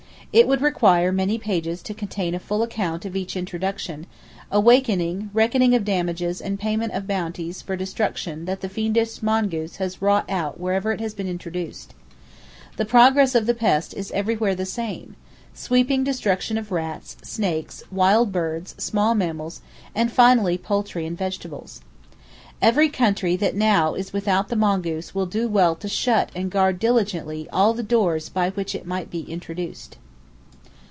It would require many pages to contain a full account of each introduction, awakening, reckoning of damages and payment of bounties for destruction that the fiendish mongoose has wrought out wherever it has been introduced. The progress of the pest is everywhere the same,—sweeping destruction of rats, snakes, wild birds, small mammals, and finally poultry and vegetables. Every country that now is without the mongoose will do well to shut and guard diligently all the doors by which it might be introduced.